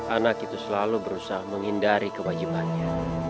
anak itu selalu berusaha menghindari kewajibannya